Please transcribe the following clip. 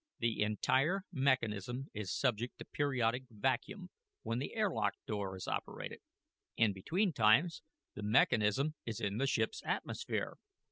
The entire mechanism is subject to periodic vacuum, when the airlock door is operated. In between times, the mechanism is in the ship's atmosphere.